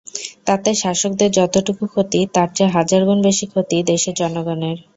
তাতে শাসকদের যতটুকু ক্ষতি, তার চেয়ে হাজার গুণ বেশি ক্ষতি দেশের জনগণের।